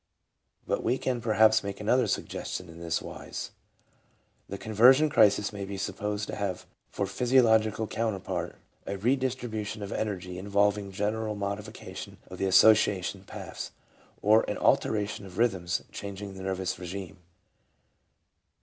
..." But we can perhaps make another suggestion, in this wise : The conversion crisis may be supposed to have for physiological counterpart a redistribution of energy involving general mod ification of the association paths ; or an alteration of rhythms, changing the nervous regimen.